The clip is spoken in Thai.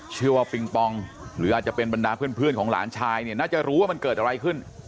ปิงปองหรืออาจจะเป็นบรรดาเพื่อนของหลานชายเนี่ยน่าจะรู้ว่ามันเกิดอะไรขึ้น